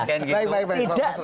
baik pak mas budi